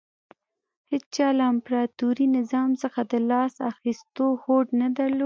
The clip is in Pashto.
هېچا له امپراتوري نظام څخه د لاس اخیستو هوډ نه درلود